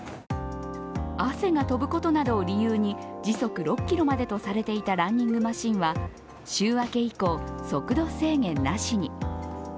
汗が飛ぶことなどを理由に時速６キロまでとされていたランニングマシンは週明け以降、速度制限なしに。